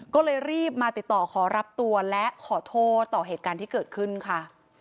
ก็เลยรีบมาติดต่อขอรับตัวและขอโทษต่อเหตุการณ์ที่เกิดขึ้นค่ะ